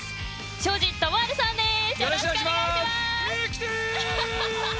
庄司智春さんです。